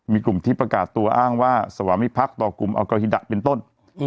มีกลุ่มที่ประกาศตัวอ้างว่าสวามิพักษ์ต่อกลุ่มอัลกาฮิดะเป็นต้น